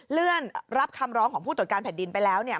เลื่อนรับคำร้องของผู้ตรวจการแผ่นดินไปแล้วเนี่ย